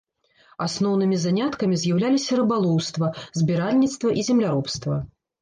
Асноўнымі заняткамі з'яўляліся рыбалоўства, збіральніцтва і земляробства.